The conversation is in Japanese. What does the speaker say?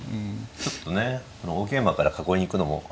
ちょっと大ゲイマから囲いにいくのも少し。